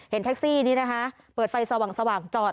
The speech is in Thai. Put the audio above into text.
เห็นแท็กซี่นี้นะคะเปิดไฟสว่างสว่างจอด